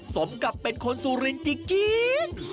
สมกับเป็นคนสุรินทร์จริง